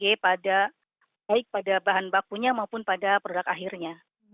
baik pada bahan bakunya maupun pada produk akhirnya